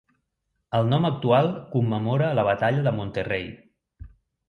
El nom actual commemora la batalla de Monterrey.